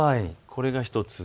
これが１つ。